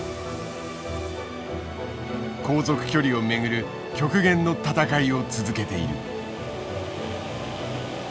航続距離をめぐる極限の闘いを続けている。